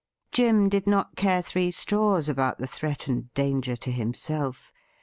Jim did not care three straws about the threatened danger to himself.